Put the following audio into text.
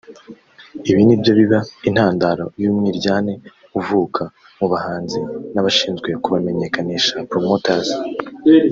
Ibi ni byo biba intandaro y’umwiryane uvuka mu bahanzi n’abashinzwe kubamenyekanisha (promoters)